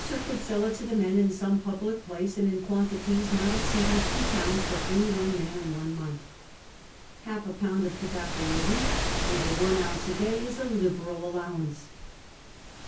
Ill THE RAT/ONS 39 jjurscr could sell it to the men "in some public place," and in quantities not exceeding two pounds for any one man in one month. Half a pound of tobacco a week — over one ounce a day — is a liberal allowance.